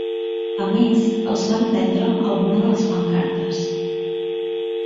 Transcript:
A més, els van prendre alguna de les pancartes.